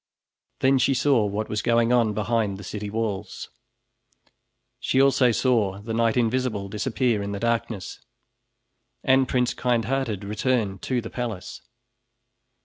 Then she saw what was going on behind the city walls. She also saw the Knight Invisible disappear in the darkness, and Prince Kindhearted return to the palace.